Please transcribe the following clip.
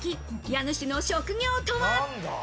家主の職業とは？